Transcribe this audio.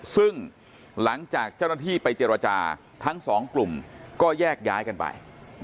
ซึ่งหลังจากเจ้าหน้าที่ไปเจรจาทั้งสองกลุ่มก็แยกย้ายกันไป